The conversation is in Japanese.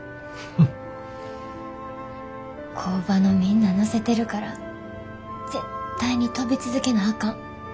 工場のみんな乗せてるから絶対に飛び続けなあかん。